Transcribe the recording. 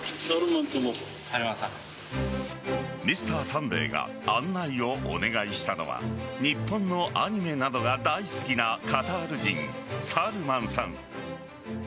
「Ｍｒ．サンデー」が案内をお願いしたのは日本のアニメなどが大好きなカタール人サルマンさん。